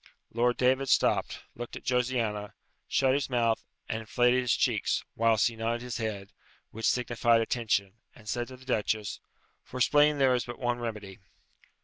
Lord David stopped, looked at Josiana, shut his mouth, and inflated his cheeks, whilst he nodded his head, which signified attention, and said to the duchess, "For spleen there is but one remedy."